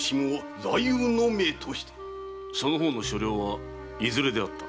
その方の所領はいずれであった？